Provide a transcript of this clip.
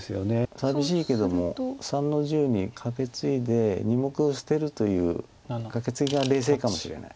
寂しいけども３の十にカケツイで２目を捨てるというカケツギが冷静かもしれない。